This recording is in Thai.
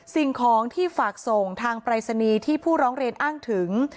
สิ่งของที่ฝากส่งทางปรายศนีย์ที่ผู้ร้องเรียนอ้างถึง